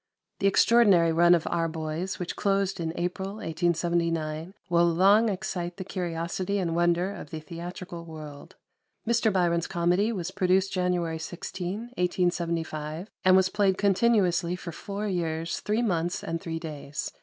The extraordinary run of Our Boys, which closed in April, 1879, will long excite the curiosity and wonder of the theatrical world. Mr. Byron's comedy was produced January 16, 1875, and was played continuously for four years, three months, and three days.